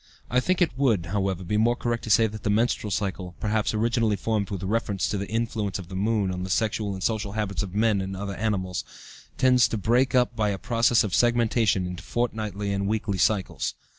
I think it would, however, be more correct to say that the menstrual cycle, perhaps originally formed with reference to the influence of the moon on the sexual and social habits of men and other animals, tends to break up by a process of segmentation into fortnightly and weekly cycles.